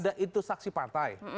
ada itu saksi partai